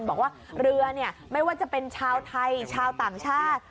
บอกว่าเรือไม่ว่าจะเป็นชาวไทยชาวต่างชาติ